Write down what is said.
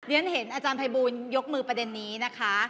ฉันเห็นอาจารย์ภัยบูลยกมือประเด็นนี้นะคะ